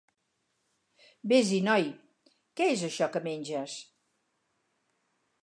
Vés-hi, noi. Què és això que menges?